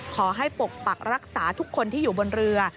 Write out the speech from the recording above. ปกปักรักษาทุกคนที่อยู่บนเรือ